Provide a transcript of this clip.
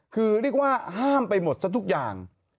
คือเรียกว่าห้ามไปหมดซะทุกอย่าง